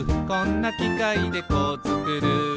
「こんなきかいでこうつくる」